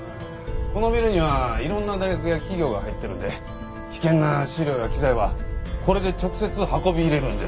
このビルにはいろんな大学や企業が入ってるんで危険な試料や機材はこれで直接運び入れるんです。